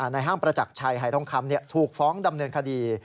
ห้างประจักรชัยหายทองคำถูกฟ้องดำเนินคดี